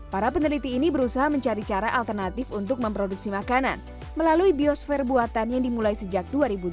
para peneliti ini berusaha mencari cara alternatif untuk memproduksi makanan melalui biosfer buatan yang dimulai sejak dua ribu dua belas